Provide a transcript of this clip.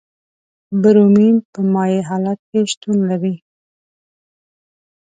برومین په مایع حالت کې شتون لري.